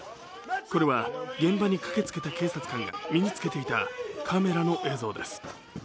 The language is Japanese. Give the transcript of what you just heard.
これは現場に駆けつけた警察官が身に付けていたカメラの映像です。